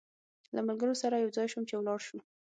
له ملګرو سره یو ځای شوم چې ولاړ شو.